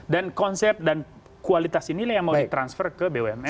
dan konsep dan kualitas inilah yang mau ditransfer ke bumn